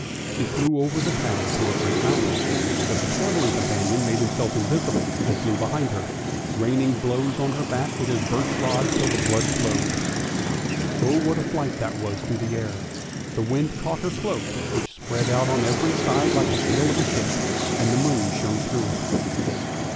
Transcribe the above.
She flew over the town to a great mountain, but the travelling companion made himself invisible and flew behind her, raining blows on her back with his birch rod, till the blood flowed. Oh, what a flight that was through the air; the wind caught her cloak, which spread out on every side like the sail of a ship, and the moon shone through it.